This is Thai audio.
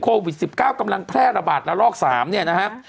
โควิด๑๙กำลังแพร่ระบาดระลอก๓เนี่ยนะครับ